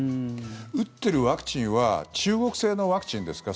打っているワクチンは中国製のワクチンですか？